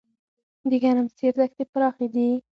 د ګرمسیر دښتې پراخې دي